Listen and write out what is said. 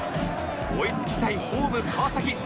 追いつきたいホーム川崎